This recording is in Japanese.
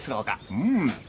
うん？